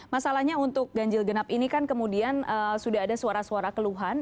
masalahnya untuk ganjil genap ini kan kemudian sudah ada suara suara keluhan